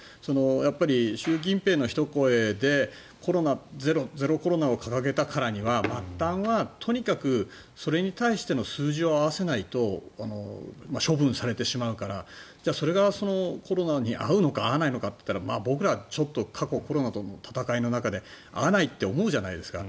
やっぱり習近平のひと言でゼロコロナを掲げたからには末端はとにかくそれに対しての数字を合わせないと処分されてしまうからそれが、コロナに合うのか合わないのかといったら僕らはちょっと過去コロナとの闘いの中で合わないって思うじゃないですか。